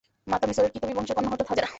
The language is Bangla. মাতা মিসরের কিবতী বংশের কন্যা হযরত হাজেরা।